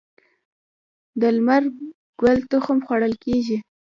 د لمر ګل تخم خوړل کیږي.